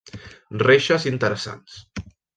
Reixes interessants.